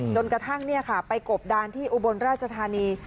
จนกระทั่งเนี้ยค่ะไปกบด้านที่อุบลราชธานี